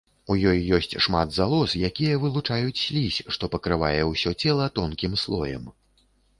У ёй ёсць шмат залоз, якія вылучаюць слізь, што пакрывае ўсё цела тонкім слоем.